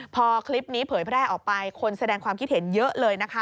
พอคลิปนี้เผยแพร่ออกไปคนแสดงความคิดเห็นเยอะเลยนะคะ